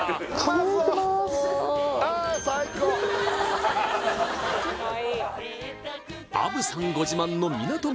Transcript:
あぶさんご自慢の港